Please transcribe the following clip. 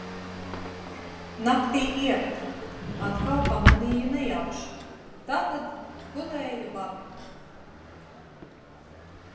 Naktī ieveda, atkal pamanīju nejauši, tātad gulēju labi!